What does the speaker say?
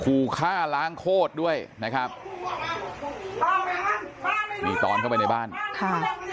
ขู่ฆ่าล้างโคตรด้วยนะครับนี่ตอนเข้าไปในบ้านค่ะ